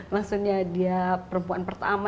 maksudnya dia perempuan pertama